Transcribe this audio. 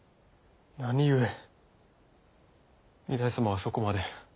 何故御台様はそこまで。